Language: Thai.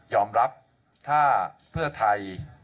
รับถ้าเพื่อไทย